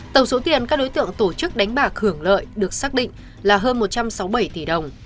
tổng số tiền các đối tượng tổ chức đánh bạc hưởng lợi được xác định là hơn một trăm sáu mươi bảy tỷ đồng